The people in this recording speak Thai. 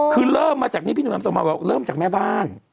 คือเริ่มมาจากนี้พี่หนุ่มนำส่งมาบอกเริ่มจากแม่บ้าน